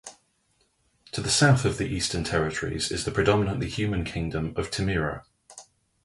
To the south of the Eastern Territories is the predominantly human kingdom of Timiro.